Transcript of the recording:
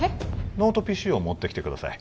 ノートＰＣを持ってきてください